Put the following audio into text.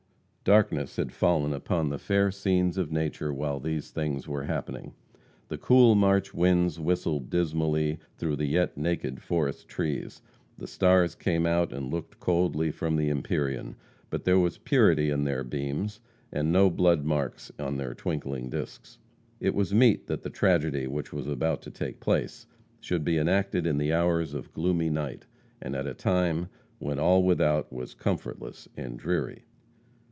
Darkness had fallen upon the fair scenes of nature while these things were happening. The cool March winds whistled dismally through the yet naked forest trees. The stars came out and looked coldly from the empyrean, but there was purity in their beams, and no blood marks on their twinkling discs. It was meet that the tragedy which was about to take place should be enacted in the hours of gloomy night, and at a time when all without was comfortless and dreary.